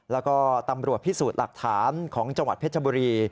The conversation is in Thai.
แล้วก็ตำรวจพิสูจน์หลักฐานของจังหวัดเพชรบุรี